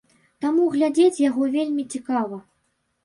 Таму глядзець яго вельмі цікава.